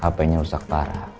hpnya rusak parah